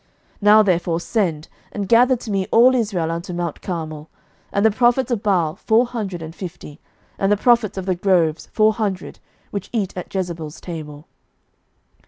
11:018:019 Now therefore send, and gather to me all Israel unto mount Carmel, and the prophets of Baal four hundred and fifty, and the prophets of the groves four hundred, which eat at Jezebel's table.